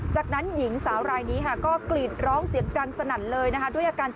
จากนั้นหญิงสาวรายนี้ค่ะก็กรีดร้องเสียงดังสนั่นเลยนะคะ